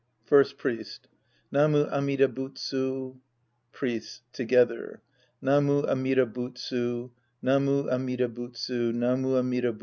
* First Priest. Namu Amida Butsu. Priests {together). Namu Amida Butsu, Namu Amida Butsu, Namu Amida Butsu.